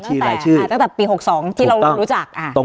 การแสดงความคิดเห็น